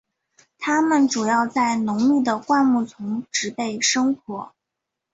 它们主要在浓密的灌木丛植被生活。